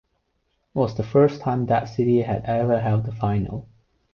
It was the first time that city had ever held the final.